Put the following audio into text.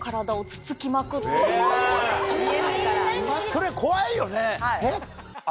それ怖いよね。